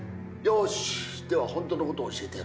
よしでは本当のことを教えてやろう。